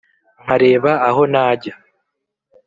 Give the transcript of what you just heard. nkareba aho najya